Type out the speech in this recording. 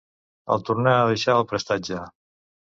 El tornà a deixar al prestatge.